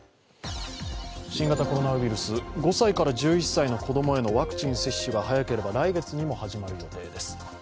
新型コロナウイルス、５歳から１１歳の子供へのワクチンの接種が早ければ来月にも始まる予定です。